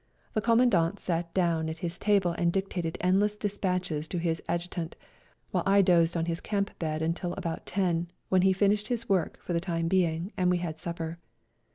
The Commandant sat down at his table and dictated endless despatches to his Adjutant, while I dosed on his camp bed till about ten, when he finished his work for the time being and we had supper.